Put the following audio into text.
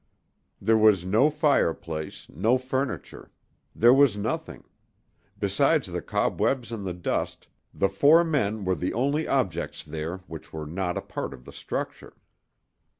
There was no fireplace, no furniture; there was nothing: besides the cobwebs and the dust, the four men were the only objects there which were not a part of the structure.